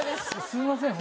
すいません